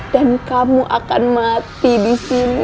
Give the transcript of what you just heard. dan kamu akan mati di sini